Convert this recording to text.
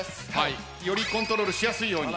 よりコントロールしやすいように。